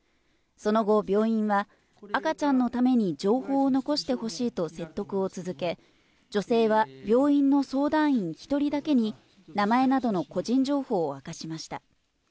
その後、病院は、赤ちゃんのために情報を残してほしいと説得を続け、女性は病院の相談員１人だけに、名前などの個人情報を明かしました。